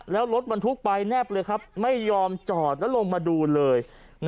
แล้วรถบรรทุกไปแนบเลยครับไม่ยอมจอดแล้วลงมาดูเลย